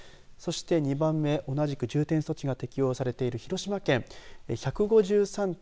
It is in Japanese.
そして２番目、同じく重点措置が適用されている広島県１５３．７８人。